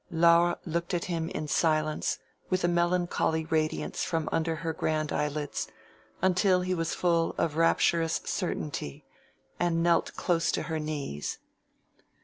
Laure looked at him in silence with a melancholy radiance from under her grand eyelids, until he was full of rapturous certainty, and knelt close to her knees.